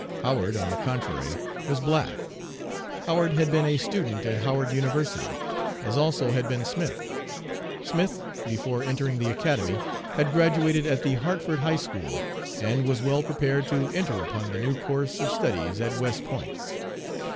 Howard, on the contrary, was black. Howard had been a student at Howard University, as also had been Smith. Smith, before entering the Academy, had graduated at the Hartford High School, and was well prepared to enter upon the new course of studies at West Point.